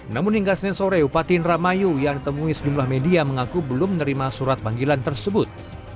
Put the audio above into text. namun hingga senin sore upati indramayu yang ditemui sejumlah media mengaku belum menerima surat panggilan tersebut